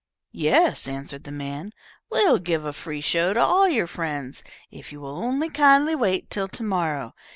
"Yes," answered the man, "we'll give a free show to all your friends, if you will only kindly wait till to morrow.